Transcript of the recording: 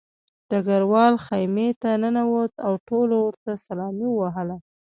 ډګروال خیمې ته ننوت او ټولو ورته سلامي ووهله